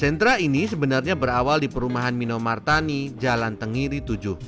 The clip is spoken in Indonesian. sentra ini sebenarnya berawal di perumahan minomartani jalan tenggiri tujuh